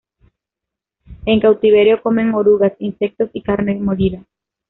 En cautiverio comen orugas, insectos y carne molida.